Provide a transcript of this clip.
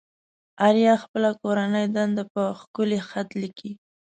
آريا خپله کورنۍ دنده په ښکلي خط ليكي.